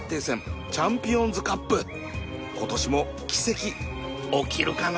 今年も奇跡起きるかな？